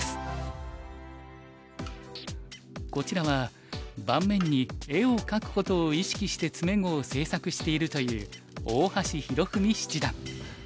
こちらは盤面に画を書くことを意識して詰碁を制作しているという大橋拓文七段。